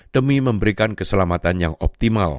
demi memberikan keselamatan yang optimal